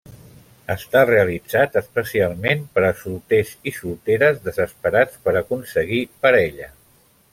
Està realitzat especialment per a solters i solteres desesperats per aconseguir parella.